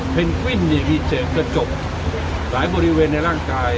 วิ้นมีเศษกระจกหลายบริเวณในร่างกาย